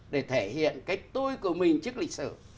để thể hiện cái tôi của mình trước lịch sử